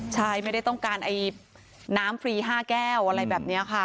ใช่ไม่ได้ต้องการน้ำฟรี๕แก้วอะไรแบบนี้ค่ะ